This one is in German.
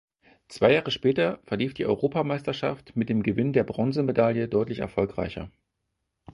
Zwei Jahre später verlief die Europameisterschaft mit dem Gewinn der Bronzemedaille deutlich erfolgreicher.